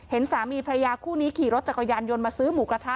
สามีพระยาคู่นี้ขี่รถจักรยานยนต์มาซื้อหมูกระทะ